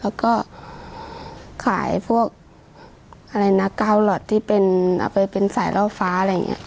แล้วก็ขายพวกอะไรนะกาวล็อตที่เป็นเอาไปเป็นสายล่อฟ้าอะไรอย่างนี้